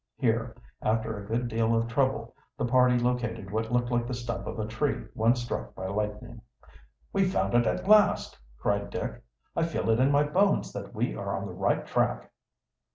Here, after a good deal of trouble, the party located what looked like the stump of a tree once struck by lightning. "We've found it at last!" cried Dick. "I feel it in my bones that we are on the right track!"